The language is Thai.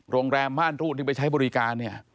ม่านรูดที่ไปใช้บริการเนี่ย